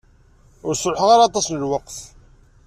Ur sruḥeɣ ara aṭas n lweqt.